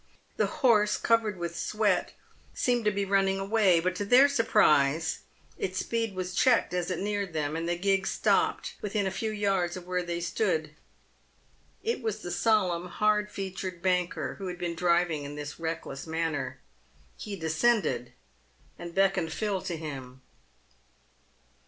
The horse, covered with sweat, seemed to be running away, but to their surprise its speed was checked as it neared them, and the gig stopped within a few yards of where they stood. It was the solemn, hard featured banker who had been driving in this reck less manner. He descended, and beckoned Phil to him.